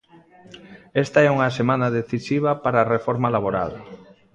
Esta é unha semana decisiva para a reforma laboral.